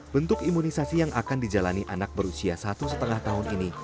bentuk imunisasi yang akan dijalani anak berusia satu lima tahun ini